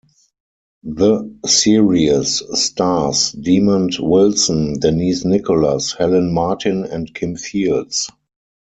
The series stars Demond Wilson, Denise Nicholas, Helen Martin and Kim Fields.